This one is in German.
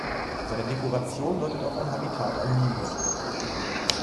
Seine Dekoration deutet auf ein Habitat am Nil hin.